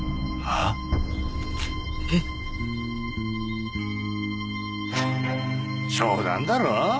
えっ？はっ冗談だろ？